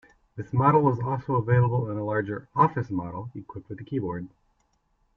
This model was also available in a larger "office" model equipped with a keyboard.